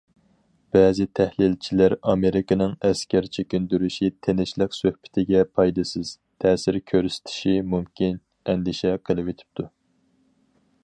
بەزى تەھلىلچىلەر ئامېرىكىنىڭ ئەسكەر چېكىندۈرۈشى تىنچلىق سۆھبىتىگە پايدىسىز تەسىر كۆرسىتىشى مۇمكىن ئەندىشە قىلىۋېتىپتۇ.